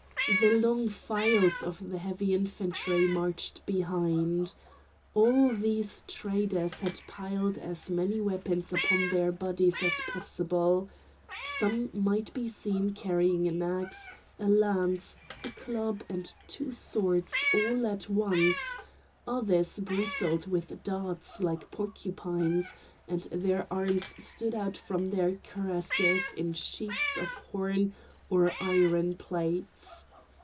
The long files of the heavy infantry marched behind. All these traders had piled as many weapons upon their bodies as possible. Some might be seen carrying an axe, a lance, a club, and two swords all at once; others bristled with darts like porcupines, and their arms stood out from their cuirasses in sheets of horn or iron plates.